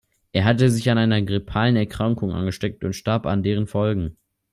Er hatte sich an einer grippalen Erkrankung angesteckt und starb an deren Folgen.